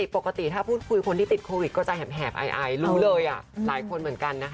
ปกติถ้าพูดคุยคนที่ติดโควิดก็จะแหบไอรู้เลยหลายคนเหมือนกันนะคะ